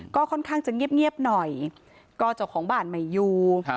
ก็ค่อนข้างจะเงียบหน่อยก็เจ้าของบ้านไม่อยู่